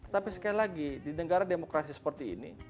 tapi sekali lagi di negara demokrasi seperti ini